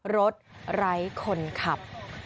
ไร้คนขับ